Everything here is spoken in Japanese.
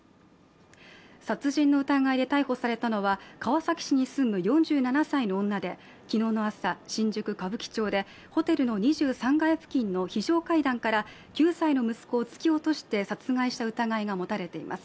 殺人の疑いで逮捕されたのは、川崎市に住む４７歳の女で、昨日の朝、新宿歌舞伎町でホテルの２３階付近の非常階段から９歳の息子を突き落として殺害した疑いが持たれています。